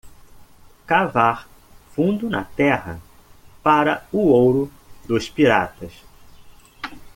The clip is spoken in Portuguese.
Cavar fundo na terra para o ouro dos piratas.